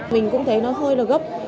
mình cũng thấy nó hơi là gấp